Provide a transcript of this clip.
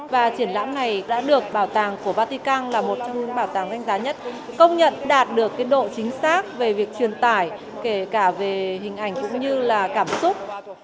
và triển lãm này đã được bảo tàng của vatican là một trong những bảo tàng đánh giá nhất công nhận đạt được độ chính xác về việc truyền tải kể cả về hình ảnh cũng như là cảm xúc